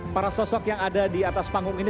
para sosok yang ada di atas panggung ini